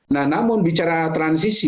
nah namun bicara transisi